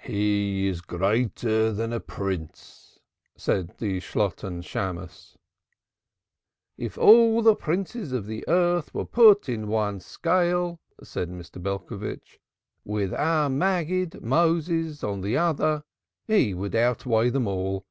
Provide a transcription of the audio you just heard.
"He is greater than a Prince," said the Shalotten Shammos. "If all the Princes of the Earth were put in one scale," said Mr. Belcovitch, "and our Maggid, Moses, in the other, he would outweigh them all.